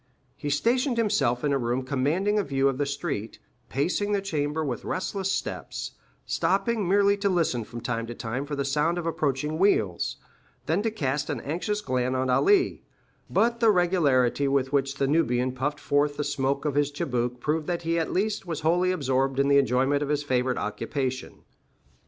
He stationed himself in a room commanding a view of the street, pacing the chamber with restless steps, stopping merely to listen from time to time for the sound of approaching wheels, then to cast an anxious glance on Ali; but the regularity with which the Nubian puffed forth the smoke of his chibouque proved that he at least was wholly absorbed in the enjoyment of his favorite occupation.